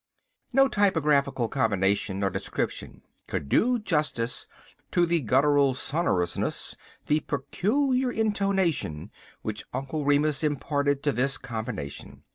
No typographical combination or description could do justice to the guttural sonorousness the peculiar intonation which Uncle Remus imparted to this combination.